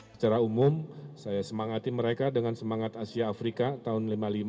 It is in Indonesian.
secara umum saya semangati mereka dengan semangat asia afrika tahun seribu sembilan ratus lima puluh lima